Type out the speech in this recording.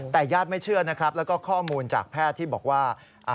แต่ญาติไม่เชื่อนะครับแล้วก็ข้อมูลจากแพทย์ที่บอกว่า